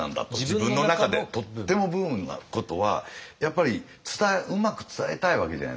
自分の中でとってもブームなことはやっぱりうまく伝えたいわけじゃないですか。